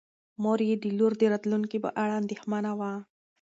مور یې د لور د راتلونکي په اړه اندېښمنه وه.